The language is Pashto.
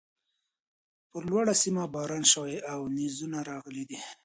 پر لوړۀ سيمه باران شوی او نيزونه راغلي دي